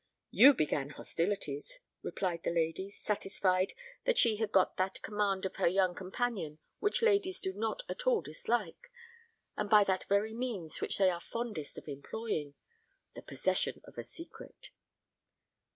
"You began hostilities," replied the lady, satisfied that she had got that command of her young companion which ladies do not at all dislike, and by that very means which they are fondest of employing the possession of a secret.